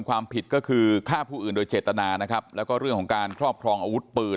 ความผิดก็คือฆ่าผู้อื่นโดยเจตนานะครับแล้วก็เรื่องของการครอบครองอาวุธปืน